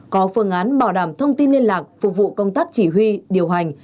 có phương án bảo đảm thông tin liên lạc phục vụ công tác chỉ huy điều hành